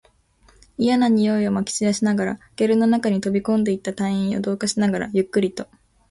嫌な臭いを撒き散らしながら、ゲルの中に飛び込んでいった隊員を同化しながら、ゆっくりと